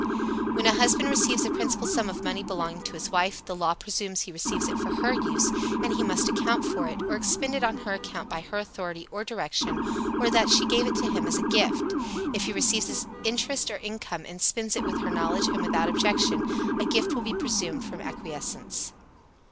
When a husband receives a principal sum of money belonging to his wife, the law presumes he receives it for her use, and he must account for it, or expend it on her account by her authority or direction, or that she gave it to him as a gift. If he receives interest or income and spends it with her knowledge and without objection, a gift will be presumed from acquiescence.